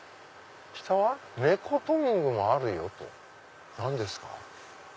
下は「ネコトングもあるよ！」。何ですか？